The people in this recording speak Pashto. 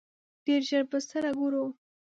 ډېر ژر به سره ګورو!